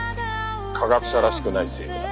科学者らしくないセリフだ。